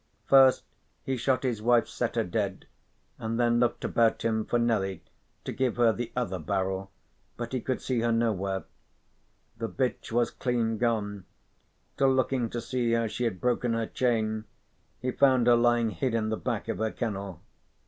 First he shot his wife's setter dead, and then looked about him for Nelly to give her the other barrel, but he could see her nowhere. The bitch was clean gone, till, looking to see how she had broken her chain, he found her lying hid in the back of her kennel.